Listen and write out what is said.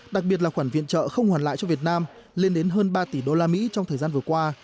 đặc biệt là khoản viện trợ không hoàn lại cho việt nam lên đến hơn ba tỷ usd trong thời gian vừa qua